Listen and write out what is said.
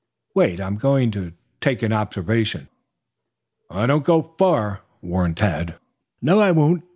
Wait; I'm going to take an observation." "Don't go far," warned Tad. "No, I won't.